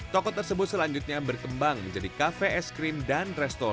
toko tersebut selanjutnya berkembang menjadi cafe eskimo